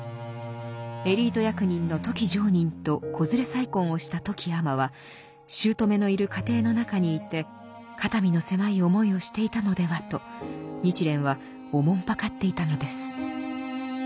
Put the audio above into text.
エリート役人の富木常忍と子連れ再婚をした富木尼は姑のいる家庭の中にいて肩身の狭い思いをしていたのではと日蓮は慮っていたのです。